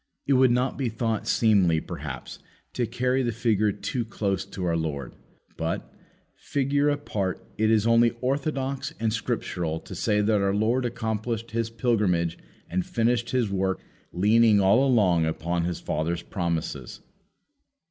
It would not be thought seemly, perhaps, to carry the figure too close to our Lord. But, figure apart, it is only orthodox and scriptural to say that our Lord accomplished His pilgrimage and finished His work leaning all along upon His Father's promises.